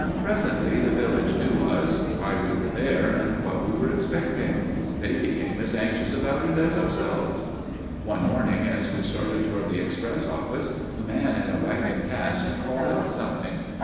Presently the village knew us, why we were there, and what we were expecting. They became as anxious about it as ourselves. One morning, as we started toward the express office, a man in a wagon passed and called out something.